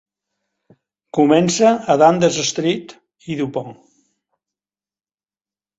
Comença a Dundas Street i Dupont.